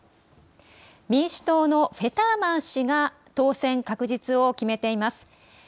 民主党のフェターマン氏が当選確実を決めています。